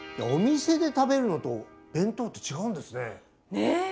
お店で食べるのと弁当って違うんですね。